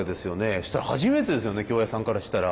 そしたら初めてですよね京谷さんからしたら。